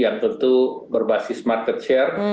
yang tentu berbasis market share